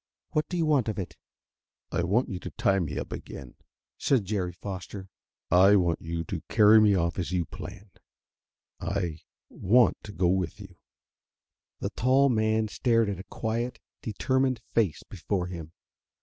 What do you want of it?" "I want you to tie me up again," said Jerry Foster. "I want you to carry me off as you planned. I want to go with you." The tall man stared at the quiet, determined face before him.